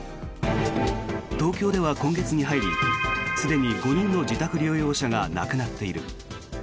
東京では今月に入りすでに５人の自宅療養者が亡くなっている。